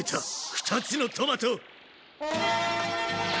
２つのトマト！